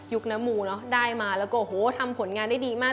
คนมูเนอะได้มาแล้วก็โอ้โหทำผลงานได้ดีมาก